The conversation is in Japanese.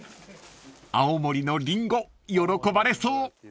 ［青森のリンゴ喜ばれそう］